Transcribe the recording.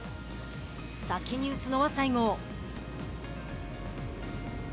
先に打つのは西郷。